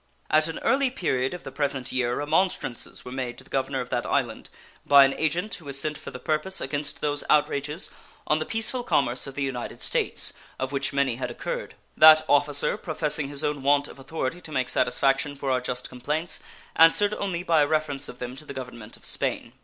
At an early period of the present year remonstrances were made to the governor of that island, by an agent who was sent for the purpose, against those outrages on the peaceful commerce of the United States, of which many had occurred. That officer, professing his own want of authority to make satisfaction for our just complaints, answered only by a reference of them to the Government of Spain.